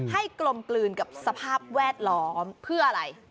กลมกลืนกับสภาพแวดล้อมเพื่ออะไร